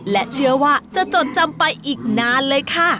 และเชื่อว่าจะจดจำไปอีกนานเลยค่ะ